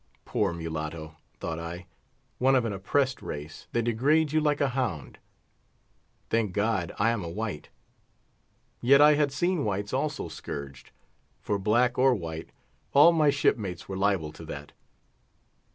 Poor mulatto! thought I, one of an oppressed race, they degrade you like a hound. Thank God! I am a white. Yet I had seen whites also scourged; for, black or white, all my shipmates were liable to that.